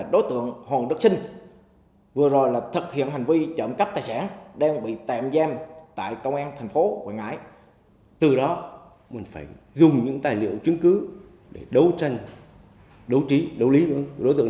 đối tượng hoàng đức sinh được ban truyền án lên kế hoạch thì lại nhận được cuộc điện thoại bắt giữ khi đã đảm bảo yếu tố pháp lý an toàn cho cả lực lượng chức năng lẫn đối tượng